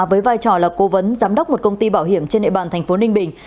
với vai trò là cố vấn giám đốc một công ty bảo hiểm trên địa bàn tp ninh bình